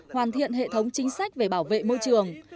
hoàn thiện hệ thống chính sách về bảo vệ môi trường